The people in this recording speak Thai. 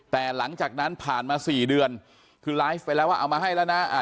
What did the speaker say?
แต่หลังจากนั้นผ่านมาสี่เดือนคือไลฟ์ไปแล้วว่าเอามาให้แล้วนะ